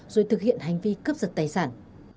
rồi thực hiện hành vi cướp giật tài sản